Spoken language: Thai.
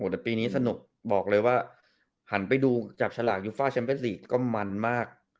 แต่ปีนี้สนุกบอกเลยว่าหันไปดูจับฉลากยูฟ่าแมสลีกก็มันมาก